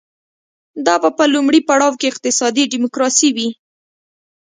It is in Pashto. دا به په لومړي پړاو کې اقتصادي ډیموکراسي وي.